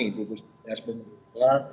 di bukit sias bunga